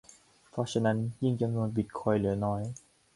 เพราะฉะนั้นยิ่งจำนวนบิตคอยน์เหลือน้อย